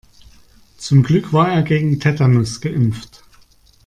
Zum Glück war er gegen Tetanus geimpft.